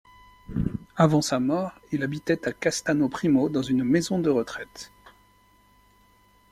Avant sa mort, il habitait à Castano Primo dans une maison de retraite.